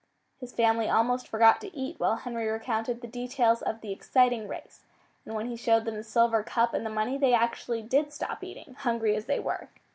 His family almost forgot to eat while Henry recounted the details of the exciting race. And when he showed them the silver cup and the money they actually did stop eating, hungry as they were.